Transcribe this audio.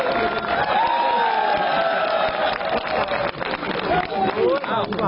หมอกิตติวัตรว่ายังไงบ้างมาเป็นผู้ทานที่นี่แล้วอยากรู้สึกยังไงบ้าง